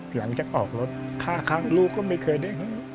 หลังจากออกรถค่าครั้งลูกก็ไม่เคยได้